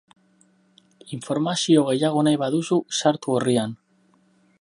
Informazio gehiago nahi baduzu, sartu orrian.